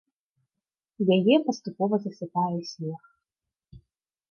Яе паступова засыпае снег.